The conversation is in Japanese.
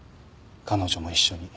彼女も一緒に。